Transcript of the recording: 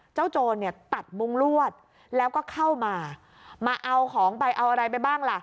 โจรเนี่ยตัดมุ้งลวดแล้วก็เข้ามามาเอาของไปเอาอะไรไปบ้างล่ะ